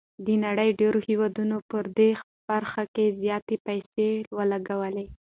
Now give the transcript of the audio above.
د نړۍ ډېرو هېوادونو پر دې برخه زياتې پيسې ولګولې.